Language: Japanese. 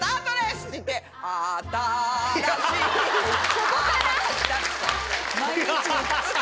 そこから？